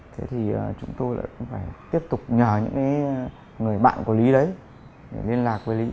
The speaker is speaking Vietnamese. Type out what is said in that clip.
thế thì chúng tôi lại cũng phải tiếp tục nhờ những người bạn của lý đấy để liên lạc với lý